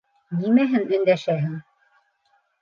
Нимәһен өндәшәһең?